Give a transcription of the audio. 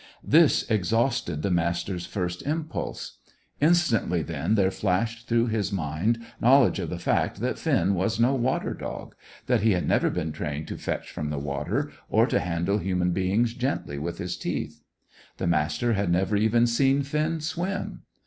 This exhausted the Master's first impulse. Instantly then there flashed through his mind knowledge of the fact that Finn was no water dog; that he had never been trained to fetch from the water, or to handle human beings gently with his teeth. The Master had never even seen Finn swim.